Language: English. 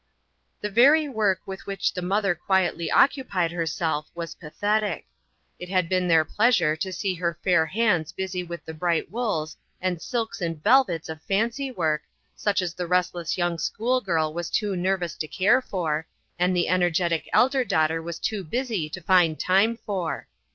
The very work with which the mother quietly occupied herself was pathetic. It had been their pleasure to see her fair hands busy with the bright wools, and silks and velvets of fancy work, such as the restless 44 INTERRUPTED. young schoolgirl was too nervous to care for, and the energetic elder daughter was too busy to find time for.